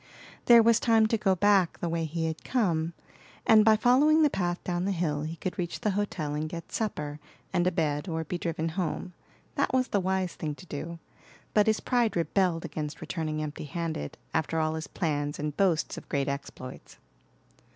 There was time to go back the way he had come, and by following the path down the hill he could reach the hotel and get supper and a bed, or be driven home. That was the wise thing to do, but his pride rebelled against returning empty handed after all his plans and boasts of great exploits.